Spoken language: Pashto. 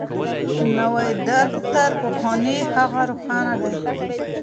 نوی درک تر پخواني هغه روښانه دی.